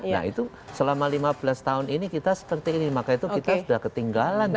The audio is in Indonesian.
nah itu selama lima belas tahun ini kita seperti ini maka itu kita sudah ketinggalan